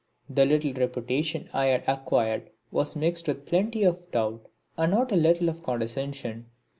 The little reputation I had acquired was mixed with plenty of doubt and not a little of condescension.